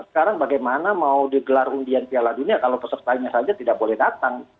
sekarang bagaimana mau digelar undian piala dunia kalau pesertanya saja tidak boleh datang